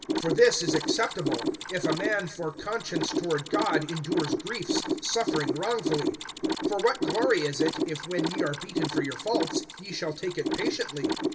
(19)For this is acceptable, if a man for conscience toward God[2:19] endures griefs, suffering wrongfully. (20)For what glory is it, if when ye are beaten for your faults, ye shall take it patiently?